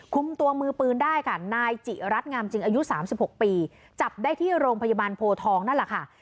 คุมตัวมือปืนได้ค่ะนายจิรัตงามจริงอายุ๓๖ปีจับได้ที่โรงพยาบาลโพทองนั่นแหละค่ะ